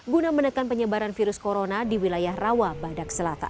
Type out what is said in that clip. guna menekan penyebaran virus corona di wilayah rawabadak selatan